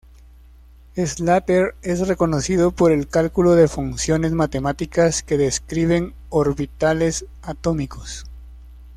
Slater es reconocido por el cálculo de funciones matemáticas que describen orbitales atómicos.